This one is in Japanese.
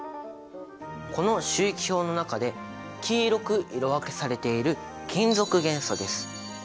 この周期表の中で黄色く色分けされている金属元素です！